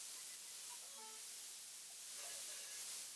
Safina ya Nuhu ilipita eneo hili wakati mvua kubwa ya siku arobaini iliponyesha